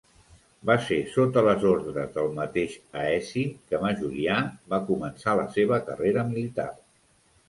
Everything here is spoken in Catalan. Va ser sota les ordres del mateix Aeci que Majorià va començar la seva carrera militar.